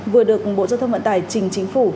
vừa được bộ giao thông vận tải trình chính phủ